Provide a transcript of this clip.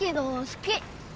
好き。